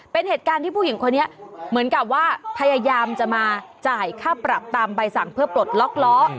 เป็นเหตุการณ์ที่ผู้หญิงคนนี้เหมือนกับว่าพยายามจะมาจ่ายค่าปรับตามใบสั่งเพื่อปลดล็อกล้อ